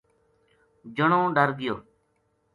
جنو ڈر گیو۔